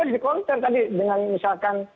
harus dikonter tadi dengan misalkan